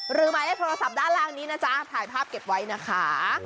หมายเลขโทรศัพท์ด้านล่างนี้นะจ๊ะถ่ายภาพเก็บไว้นะคะ